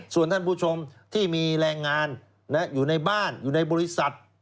ส่วนท่านผู้ชมที่มีแรงงานอยู่ในบ้านอยู่ในบริษัท